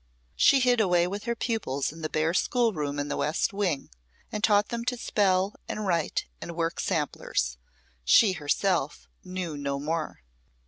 She hid away with her pupils in the bare school room in the west wing, and taught them to spell and write and work samplers. She herself knew no more.